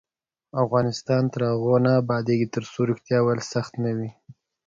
افغانستان تر هغو نه ابادیږي، ترڅو ریښتیا ویل سخت نه وي.